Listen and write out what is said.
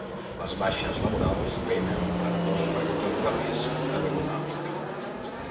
Les baixes laborals venen per dos factors de risc ergonòmic.